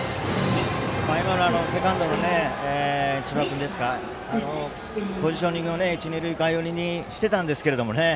今のセカンドの千葉君ポジショニングを一、二塁間寄りにしていたんですけどね。